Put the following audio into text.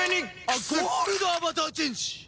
ゴールドアバターチェンジ！